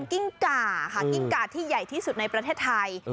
กิ้งก่าค่ะกิ้งกาที่ใหญ่ที่สุดในประเทศไทย